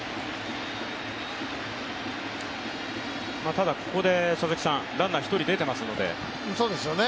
ただここでランナー１人出ていますので。